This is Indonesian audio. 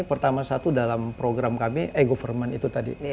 pertama satu dalam program kami e government itu tadi